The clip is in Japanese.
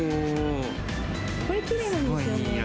これ、きれいなんですよね。